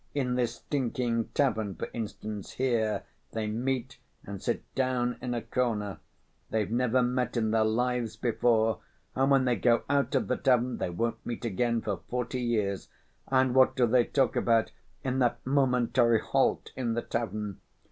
In this stinking tavern, for instance, here, they meet and sit down in a corner. They've never met in their lives before and, when they go out of the tavern, they won't meet again for forty years. And what do they talk about in that momentary halt in the tavern?